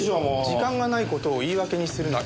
「時間がない事を言い訳にするな。